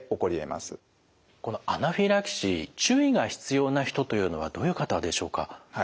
このアナフィラキシー注意が必要な人というのはどういう方でしょうか？